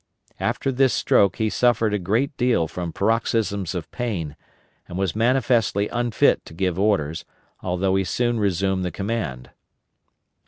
After this stroke he suffered a great deal from paroxysms of pain, and was manifestly unfit to give orders, although he soon resumed the command.